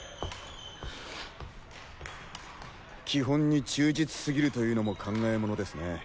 基本に忠実すぎるというのも考えものですね。